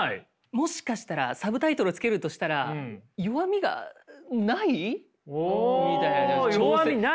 もしかしたらサブタイトルをつけるとしたら「弱みがない？」